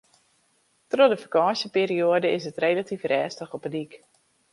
Troch de fakânsjeperioade is it relatyf rêstich op 'e dyk.